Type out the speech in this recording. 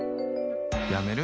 やめる？